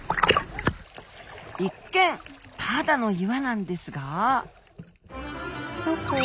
一見ただの岩なんですがどこ？